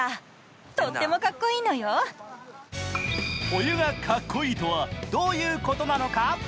お湯が、かっこいいとはどういうことなのか。